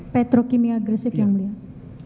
petrokimia gresik yang mulia